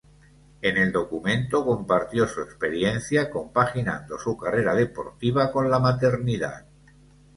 En el documento compartió su experiencia compaginando su carrera deportiva con la maternidad.